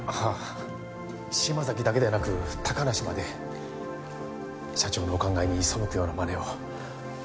あ島崎だけでなく高梨まで社長のお考えに背くようなまねを。